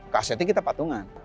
kasetnya kita patungan